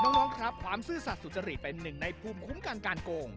น้องครับความซื่อสัตว์สุจริตเป็นหนึ่งในภูมิคุ้มกันการโกง